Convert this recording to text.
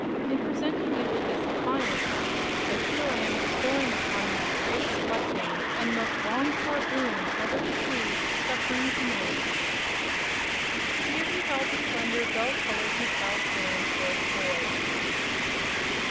In presenting you with this appliance, I feel I am bestowing upon you the greatest blessing and most longed for boon ever bequeathed of suffering humanity." Here he held the slender, dull colored metallic band toward the boy.